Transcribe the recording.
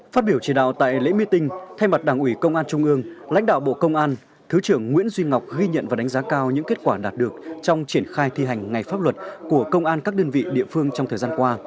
phát biểu chỉ đạo tại lễ meeting thay mặt đảng ủy công an trung ương lãnh đạo bộ công an thứ trưởng nguyễn duy ngọc ghi nhận và đánh giá cao những kết quả đạt được trong triển khai thi hành ngày pháp luật của công an các đơn vị địa phương trong thời gian qua